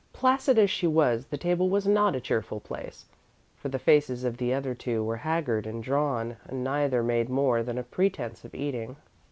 Placid as she was, the table was not a cheerful place, for the faces of the other two were haggard and drawn, and neither made more than a pretence of eating.